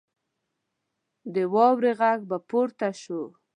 د واورې غږ به پورته شو.